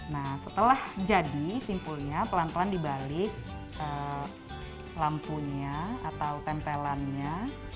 nah setelah jadi simpulnya pelan pelan dibalik lampunya atau tempelannya